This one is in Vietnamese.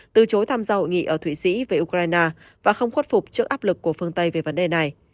từ chối tham gia hội nghị ở thụy sĩ về ukraine và không khuất phục trước áp lực của phương tây về vấn đề này